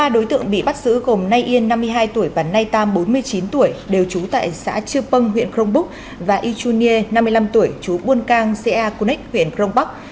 ba đối tượng bị bắt giữ gồm nay yên năm mươi hai tuổi và nay tam bốn mươi chín tuổi đều trú tại xã trư pâng huyện krong búc và y chu nhiê năm mươi năm tuổi trú buôn cang xã cunh ích huyện krong bắc